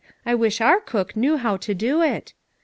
I wish our cook knew how to do it.